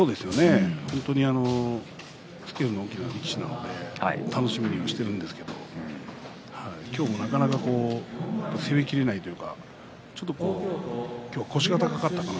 本当にスケールの大きな力士なので楽しみにしているんですけど今日もなかなか攻めきれないというかちょっと今日は腰が高かったかな。